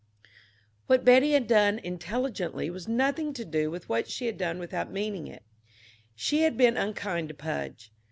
What Betty had done intelligently was nothing to what she had done without meaning it. She had been unkind to Pudge.